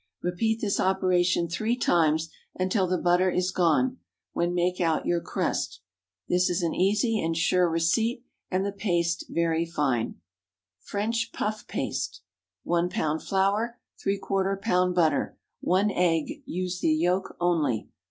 Repeat this operation three times, until the butter is gone, when make out your crust. This is an easy and sure receipt, and the paste very fine. FRENCH PUFF PASTE. ✠ 1 lb. flour. ¾ lb. butter. 1 egg; use the yolk only.